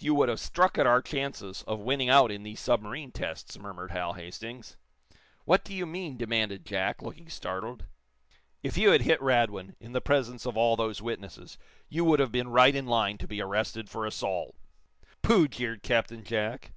You would have struck at our chances of winning out in these submarine tests," murmured Hal Hastings. "What do you mean?" demanded Jack, looking startled. "If you had hit Radwin, in the presence of all those witnesses, you would have been right in line to be arrested for assault." "Pooh!" jeered Captain Jack.